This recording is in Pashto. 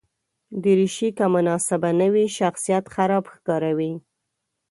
دریشي که مناسبه نه وي، شخصیت خراب ښکاروي.